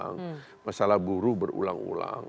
kenapa lahir partai buruh ini karena masalah buruh ini berulang ulang